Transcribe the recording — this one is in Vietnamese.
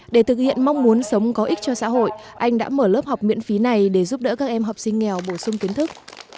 để thực hiện mong muốn sống có ích cho xã hội anh đã mở lớp học miễn phí này để giúp đỡ các em học sinh nghèo bổ sung kiến thức